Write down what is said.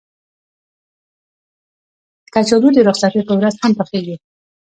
کچالو د رخصتۍ په ورځ هم پخېږي